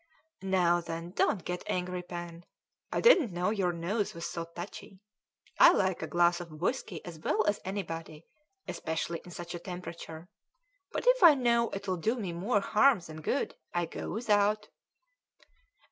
"Now, then, don't get angry, Pen; I didn't know your nose was so touchy. I like a glass of whisky as well as anybody, especially in such a temperature; but if I know it'll do me more harm than good, I go without."